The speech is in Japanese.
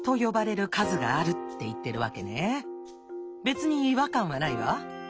別に違和感はないわ。